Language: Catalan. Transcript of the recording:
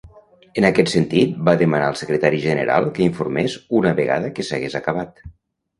En aquest sentit, va demanar al Secretari General que informés una vegada que s'hagués acabat.